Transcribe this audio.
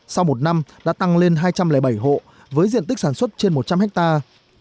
sau một năm đã tăng lên hai trăm linh bảy hộ với diện tích sản xuất trên một trăm linh hectare